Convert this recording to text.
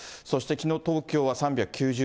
そしてきのう、東京は３９０人。